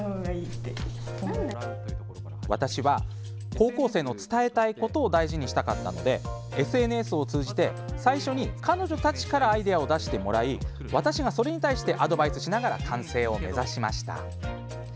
高校生の伝えたいことを大事にしたかったのでＳＮＳを通じて最初に、まずは高校生からアイデアを出してもらい私が、それに対してアドバイスをしながら完成を目指していきました。